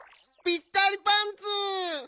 ぴったりパンツ！